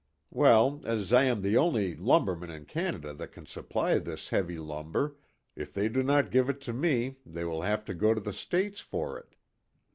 Well, as I am the only lumberman in Canada that can supply this heavy lumber, if they do not give it to me they will have to go to the States for it.